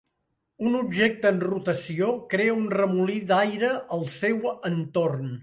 Un objecte en rotació crea un remolí d'aire al seu entorn.